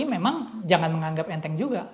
memang jangan menganggap enteng juga